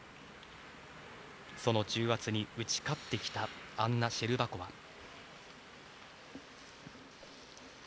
その重圧に打ち勝ってきたアンナ・シェルバコワ。